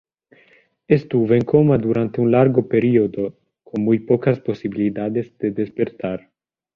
Estuvo en coma durante un largo periodo con muy pocas posibilidades de despertar.